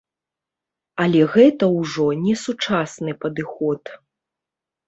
Але гэта ўжо не сучасны падыход.